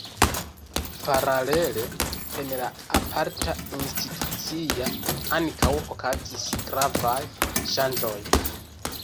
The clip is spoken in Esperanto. Paralele, en la aparta institucia ankaŭ okazis gravaj ŝanĝoj.